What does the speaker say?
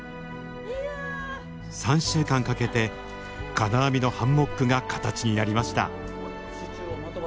３週間かけて金網のハンモックが形になりました。